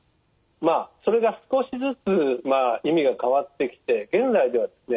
まあそれが少しずつ意味が変わってきて現在ではですね